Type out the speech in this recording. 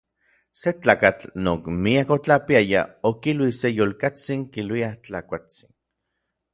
Se tlakatl non miak otlapiaya okilui se yolkatsin kiluiaj Tlakuatsin.